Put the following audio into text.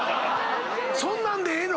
そんなんでええの？